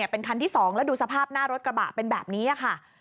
เป็นคันที่๒แล้วดูสภาพหน้ารถกระบะเป็นแบบนี้ค่ะ